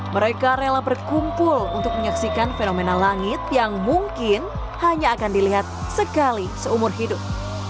mereka rela berkumpul untuk menyaksikan fenomena langit yang mungkin hanya akan dilihat sekali seumur hidup